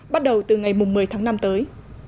bắt đầu từ ngày một mươi tháng năm tới